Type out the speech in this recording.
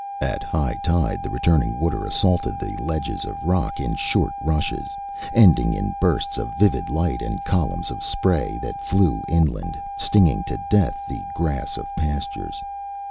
At high tide the returning water assaulted the ledges of rock in short rushes, ending in bursts of livid light and columns of spray, that flew inland, stinging to death the grass of pastures.